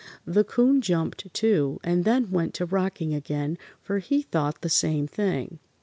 The 'Coon jumped, too, and then went to rocking again, for he thought the same thing.